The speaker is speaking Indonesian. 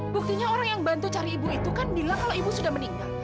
buktinya orang yang bantu cari ibu itu kan bilang kalau ibu sudah meninggal